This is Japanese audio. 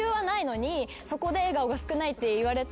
そこで「笑顔が少ない」って言われて。